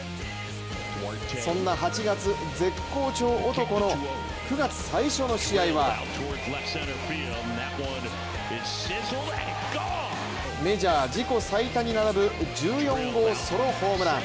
そんな８月、絶好調男の９月最初の試合はメジャー自己最多に並ぶ１４号ソロホームラン。